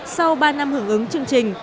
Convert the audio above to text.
sau ba năm hưởng ứng chương trình